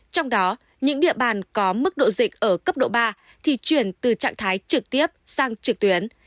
trong đó những địa bàn có mức độ dịch ở cấp độ ba thì chuyển từ trạng thái trực tiếp sang trực tuyến